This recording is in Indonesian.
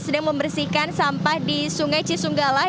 sedang membersihkan sampah di sungai cisunggala